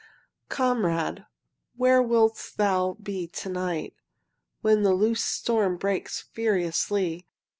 Comrade, where wilt thou be to night When the loosed storm breaks furiously?